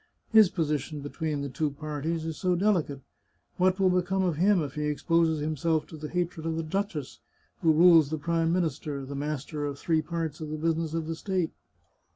His position between the two parties is so delicate. What will become of him if he exposes himself to the hatred of the duchess, who rules the Prime Minister, the master of three parts of the business of the state?